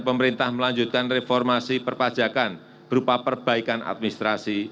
pemerintah melanjutkan reformasi perpajakan berupa perbaikan administrasi